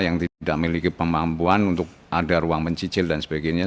yang tidak memiliki kemampuan untuk ada ruang mencicil dan sebagainya